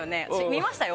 見ましたよ